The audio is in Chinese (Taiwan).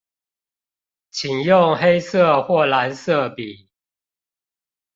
請用黑色或藍色筆